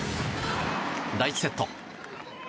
第１セット。